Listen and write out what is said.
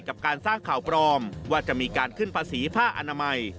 กับการสร้างข่าวปลอมว่าจะมีการขึ้นภาษีผ้าอนามัย